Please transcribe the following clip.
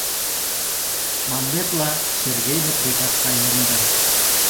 Манметла, Сергеймыт декак каен дыр.